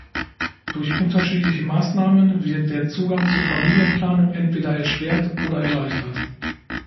Durch unterschiedliche Maßnahmen wird der Zugang zu Familienplanung entweder erschwert oder erleichtert.